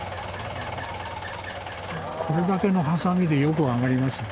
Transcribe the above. これだけのハサミでよく上がりますね。